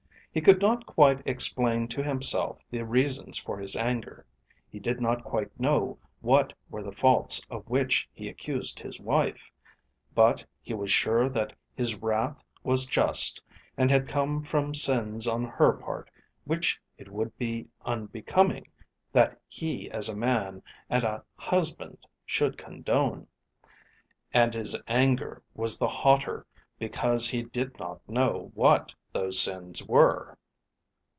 He could not quite explain to himself the reasons for his anger. He did not quite know what were the faults of which he accused his wife. But he was sure that his wrath was just, and had come from sins on her part which it would be unbecoming that he as a man and a husband should condone. And his anger was the hotter because he did not know what those sins were.